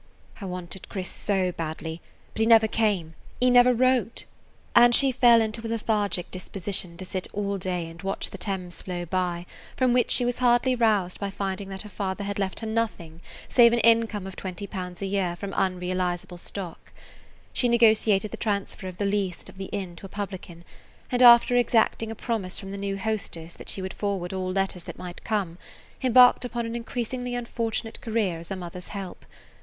"I wanted Chris so badly; but he never came, he never wrote," and she fell into a lethargic disposition to sit all day and watch the Thames flow by, from which she was hardly roused by finding that her father had left her nothing save an income of twenty pounds a year from unrealizable [Page 105] stock. She negotiated the transfer of the lease of the inn to a publican, and, after exacting a promise from the new hostess that she would forward all letters that might come, embarked upon an increasingly unfortunate career as a mother's help.